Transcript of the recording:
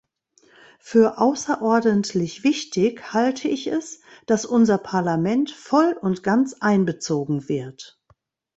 Für außerordentlich wichtig halte ich es, dass unser Parlament voll und ganz einbezogen wird.